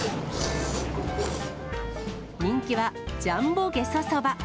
人気はジャンボゲソそば。